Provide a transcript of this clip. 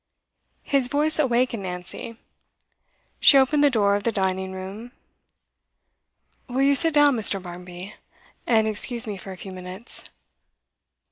His voice awakened Nancy. She opened the door of the dining room. 'Will you sit down, Mr. Barmby, and excuse me for a few minutes?